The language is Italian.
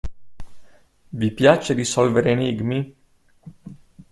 Vi piace risolvere enigmi?